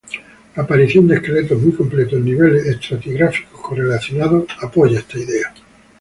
La aparición de esqueletos muy completos en niveles estratigráficos correlacionados apoya esta idea.